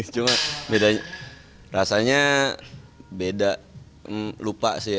cuma bedanya rasanya beda lupa sih